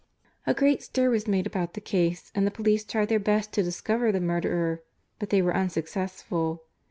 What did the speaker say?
A great stir was made about the case, and the police tried their best to discover the murderer, but they were unsuccessful.